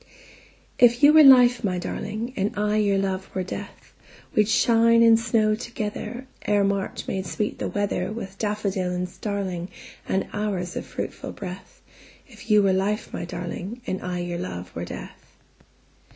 If you were life, my darling, And I your love were death, We'd shine and snow togetherEre March made sweet the weatherWith daffodil and starlingAnd hours of fruitful breath; If you were life, my darling, And I your love were death.